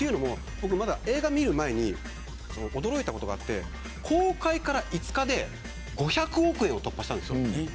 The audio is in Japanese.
映画を観る前に驚いたことがあって公開から５日で５００億円を突破したんです。